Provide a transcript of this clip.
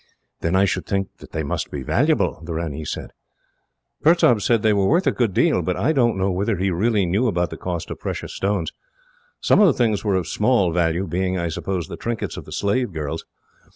"Then I should think that they must be valuable," the ranee said. "Pertaub said they were worth a good deal, but I don't know whether he really knew about the cost of precious stones. Some of the things were of small value, being, I suppose, the trinkets of the slave girls.